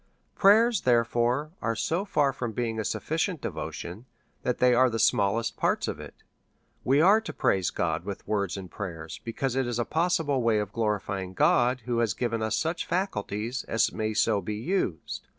Prayers, therefore, are so far from being a suffi cient devotion, that they are the smallest parts of it, Wc are to praise God with words and prayers, be cause it is a possible way of glorifying God, who has given us such faculties as may be so used.